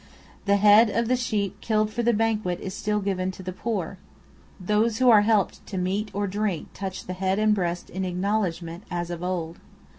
The head of the sheep killed for the banquet is still given to the poor. Those who are helped to meat or drink touch the head and breast in acknowledgment, as of old.